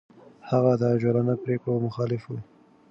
هغه د عجولانه پرېکړو مخالف و.